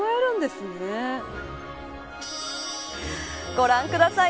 ご覧ください。